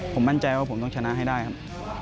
ผมมั่นใจว่าผมต้องชนะให้ได้ครับ